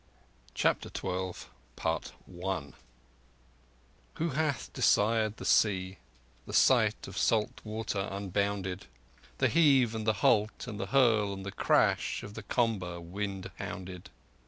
CHAPTER XII Who hath desired the Sea—the sight of salt water unbounded? The heave and the halt and the hurl and the crash of the comber wind hounded?